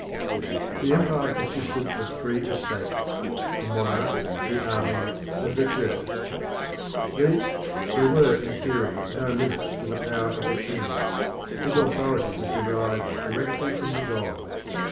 The Empire consisted of three estates the Monarch, the Army, and the Church. There were in theory no limits to the power of the king. His authority was derived directly from the gods.